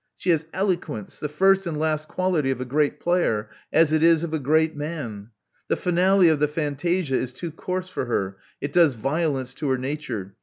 She has eloquence, the first and last quality of a great player, as it is of a great man. The finale of the fantasia is too coarse for her: it does violence to her nature.